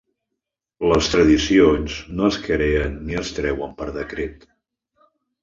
Les tradicions no es creen ni es treuen per decret.